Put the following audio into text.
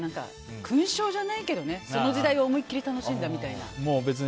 勲章じゃないけどその時代を思い切り楽しんだみたいな。